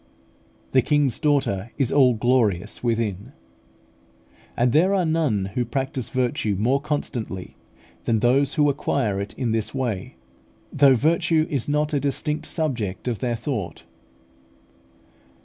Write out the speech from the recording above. "The King's daughter is all glorious within" (Ps. xlv. 13). And there are none who practise virtue more constantly than those who acquire it in this way, though virtue is not a distinct subject of their thought.